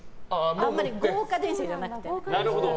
あんまり豪華電車じゃなくて。